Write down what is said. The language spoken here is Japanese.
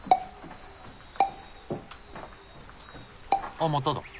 あっまただ。